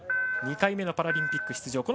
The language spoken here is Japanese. ２回目のパラリンピック出場。